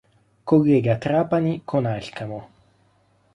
Collega Trapani con Alcamo.